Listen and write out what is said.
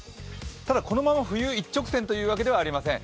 ただ、このまま冬一直線というわけではありません。